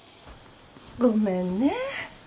ごめんね。